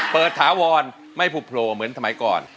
เปิดถาวรไม่ผูปโปรเหมือนสมัยก่อน